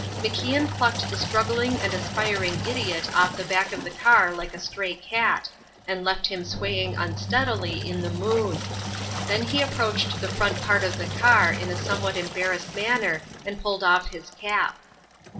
MacIan plucked the struggling and aspiring idiot off the back of the car like a stray cat, and left him swaying unsteadily in the moon. Then he approached the front part of the car in a somewhat embarrassed manner and pulled off his cap.